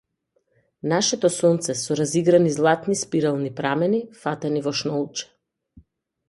Нашето сонце, со разиграни златни спирални прамени, фатени во шнолче.